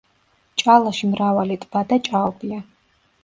ჭალაში მრავალი ტბა და ჭაობია.